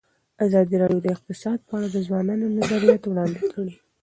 ازادي راډیو د اقتصاد په اړه د ځوانانو نظریات وړاندې کړي.